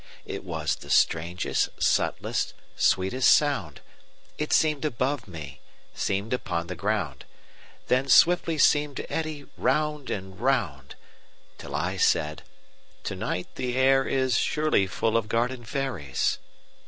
It was the strangest, subtlest, sweetest sound:It seem'd above me, seem'd upon the ground, Then swiftly seem'd to eddy round and round, Till I said: "To night the air isSurely full of garden fairies."